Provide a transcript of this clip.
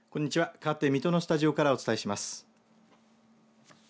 かわって水戸のスタジオからお伝えします。